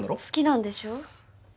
好きなんでしょ？